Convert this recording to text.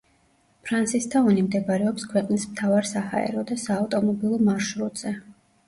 ფრანსისთაუნი მდებარეობს ქვეყნის მთავარ საჰაერო და საავტომობილო მარშრუტზე.